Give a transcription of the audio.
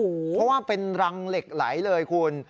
เพราะว่าเป็นรังเหล็กไหลเลยคุณ